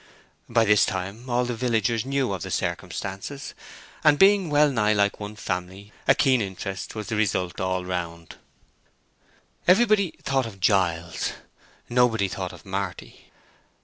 By this time all the villagers knew of the circumstances, and being wellnigh like one family, a keen interest was the result all round. Everybody thought of Giles; nobody thought of Marty.